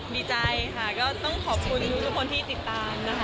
ดีใจค่ะก็ต้องขอบคุณทุกคนที่ติดตามนะคะ